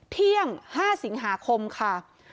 เที่ยง๕สิงหาคมค่ะ